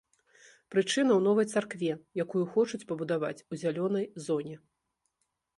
Прычына ў новай царкве, якую хочуць пабудаваць у зялёнай зоне.